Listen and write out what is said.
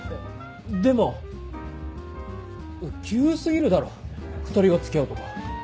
でも急過ぎるだろ２人が付き合うとか。